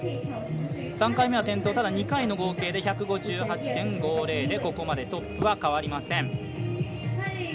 ３回目の転倒、ただ２回の合計で１５８．５０でここまでトップは変わりません。